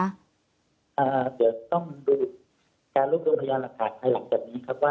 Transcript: เดี๋ยวต้องดูการรวบรวมพยานหลักฐานภายหลังจากนี้ครับว่า